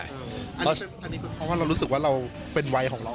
อันนี้คือเพราะว่าเรารู้สึกว่าเราเป็นวัยของเรา